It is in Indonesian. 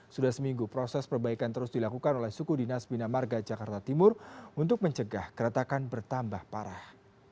sudah seminggu proses perbaikan terus dilakukan oleh suku dinas bina marga jakarta timur untuk mencegah keretakan bertambah parah